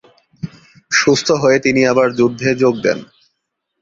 সুস্থ হয়ে তিনি আবার যুদ্ধে যোগ দেন।